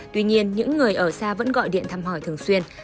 tuy nhiên những người ở xa vẫn gọi điện thăm hỏi thường xuyên